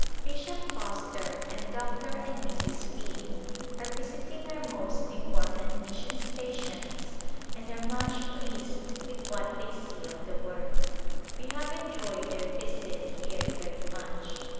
Bishop Foster and Dr. and Mrs. Reid are visiting our most important mission stations and are much pleased with what they see of the work. We have enjoyed their visit here very much.